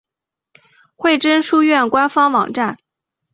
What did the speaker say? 惠贞书院官方网站